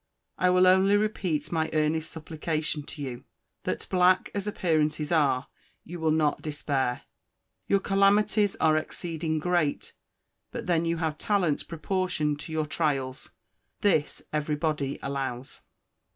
I will only repeat my earnest supplication to you, that, black as appearances are, you will not despair. Your calamities are exceeding great; but then you have talents proportioned to your trials. This every body allows.